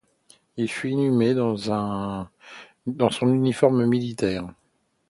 Il fut inhumé dans son uniforme militaire.